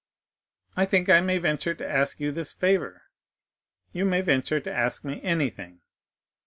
"I think I may venture to ask you this favor." "You may venture to ask me anything."